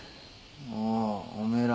おおおめえら。